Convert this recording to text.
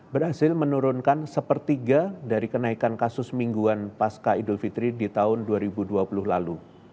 berhasil menurunkan sepertiga dari kenaikan kasus mingguan pasca idul fitri di tahun dua ribu dua puluh lalu